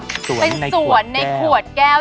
เป็นสวนในขวดแก้ว